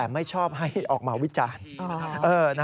ไม่ชอบให้ออกมาวิจารณ์